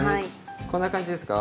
こんな感じですか？